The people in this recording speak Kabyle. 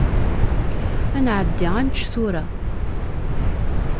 Ad nɛeddi ad nečč tura.